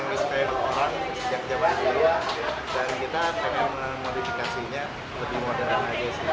orang sejak jawa dulu dan kita pengen modifikasinya lebih modern aja sih